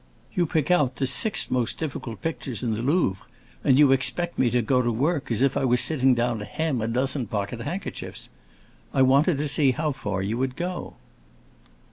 You pick out the six most difficult pictures in the Louvre, and you expect me to go to work as if I were sitting down to hem a dozen pocket handkerchiefs. I wanted to see how far you would go."